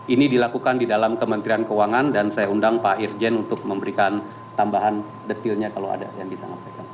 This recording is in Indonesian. ini dilakukan di dalam kementerian keuangan dan saya undang pak irjen untuk memberikan tambahan detailnya kalau ada yang disampaikan